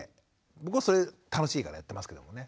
僕はそれ楽しいからやってますけどもね。